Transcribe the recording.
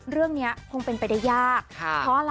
เรื่องนี้คงเป็นไปได้ยาก